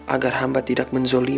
agar hamba tidak menzolimu